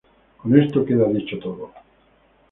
Con esto queda dicho todo.